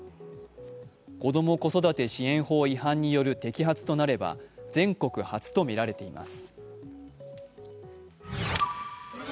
子ども・子育て支援法違反による摘発となれば全国初とみられています。